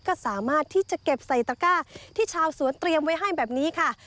ก็สามารถที่จะเก็บใส่ตะก้าที่ชาวสวนเตรียมไว้ให้แบบนี้ค่ะ